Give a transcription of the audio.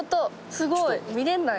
すごい。見れない。